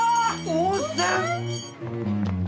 温泉！？